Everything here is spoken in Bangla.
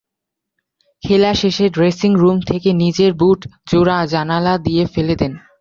খেলা শেষে ড্রেসিং রুম থেকে নিজের বুট জোড়া জানালা দিয়ে ফেলে দেন।